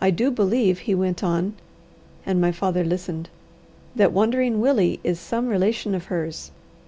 I do believe," he went on, and my father listened, "that Wandering Willie is some relation of hers.